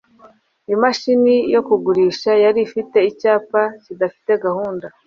Imashini yo kugurisha yari ifite icyapa kidafite gahunda.